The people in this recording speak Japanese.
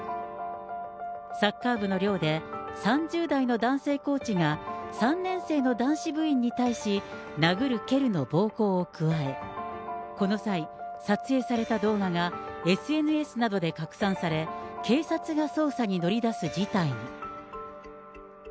サッカー部の寮で、３０代の男性コーチが３年生の男子部員に対し、殴る蹴るの暴行を加え、この際、撮影された動画がＳＮＳなどで拡散され、警察が捜査に乗り出す事態に。